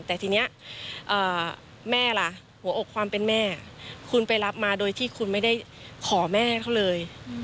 แต่ทีนี้แม่ล่ะหัวอกความเป็นแม่คุณไปรับมาโดยที่คุณไม่ได้ขอแม่เขาเลย